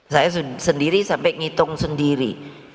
saya sendiri sampai ngitung sendiri